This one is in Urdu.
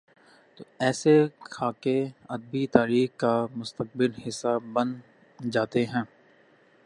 توایسے خاکے ادبی تاریخ کا مستقل حصہ بن جا تے ہیں۔